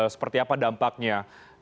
seperti apa dampaknya